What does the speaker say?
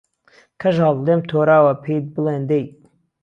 کەژاڵ لێم تۆراوە پێی بڵێن دەی